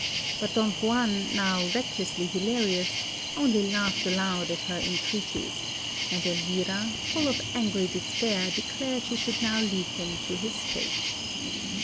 But Don Juan, now recklessly hilarious, only laughed aloud at her entreaties; and Elvira, full of angry despair, declared she should now leave him to his fate.